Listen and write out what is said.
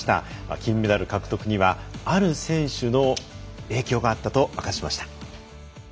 金メダル獲得にはある選手の影響があったと明かしました。